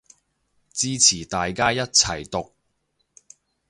支持大家一齊毒